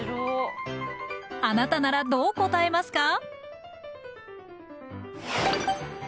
あなたならどう答えますか？